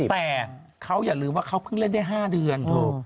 แต่เขาอย่าลืมว่าเขาเพิ่งเล่นได้๕เดือน